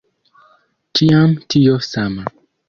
Ĉiam tio sama!